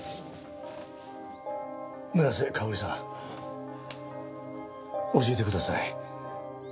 村瀬香織さん教えてください。